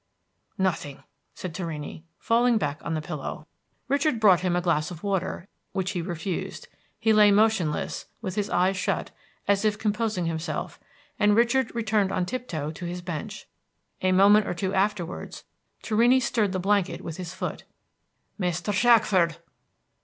"Nothing," said Torrini, falling back on the pillow. Richard brought him a glass of water, which he refused. He lay motionless, with his eyes shut, as if composing himself, and Richard returned on tiptoe to his bench. A moment or two afterwards Torrini stirred the blanket with his foot. "Mr. Shackford!"